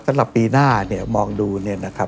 สำหรับปีหน้าเนี่ยมองดูเนี่ยนะครับ